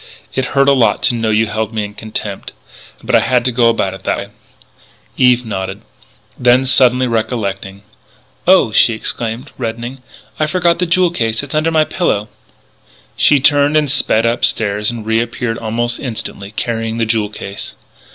"It hurt a lot to know you held me in contempt. But I had to go about it that way." Eve nodded. Then, suddenly recollecting: "Oh," she exclaimed, reddening, "I forgot the jewel case! It's under my pillow " She turned and sped upstairs and reappeared almost instantly, carrying the jewel case.